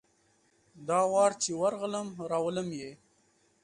دا وار چي ورغلم ، راولم یې .